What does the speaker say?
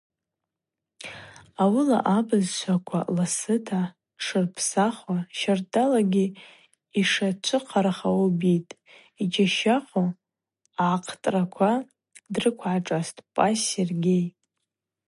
Ауылагьи абызшваква ласыта штшырпсахуа, щардалагьи йшачвыхъарахауа убитӏ, – йджьащахъву агӏахътӏраква дрыквгӏашӏастӏ Пӏаз Сергей.